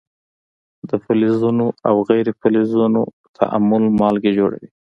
د فلزونو او غیر فلزونو تعامل مالګې جوړوي.